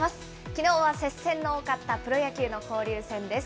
きのうは接戦の多かったプロ野球の交流戦です。